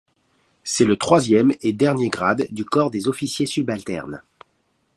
C'est le troisième et dernier grade du corps des officiers subalternes.